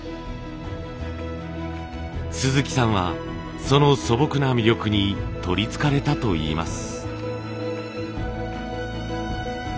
鈴木さんはその素朴な魅力にとりつかれたといいます。